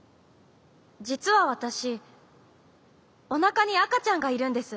じつはわたしおなかにあかちゃんがいるんです。